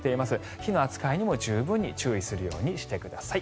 火の扱いにも、十分に注意するようにしてください。